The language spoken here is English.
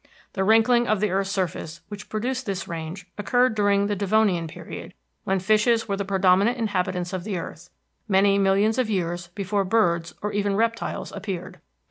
The wrinkling of the earth's surface which produced this range occurred during the Devonian period when fishes were the predominant inhabitants of the earth, many millions of years before birds or even reptiles appeared.